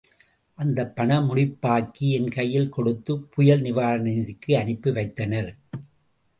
அதைப் பண முடிப்பாக்கி, என் கையில் கொடுத்துப் புயல் நிவாரண நிதிக்கு அனுப்பி வைத்தனர்.